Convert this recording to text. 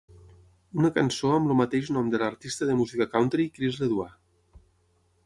Una cançó amb el mateix nom de l'artista de música country Chris LeDoux.